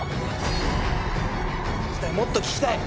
もっと聴きたい！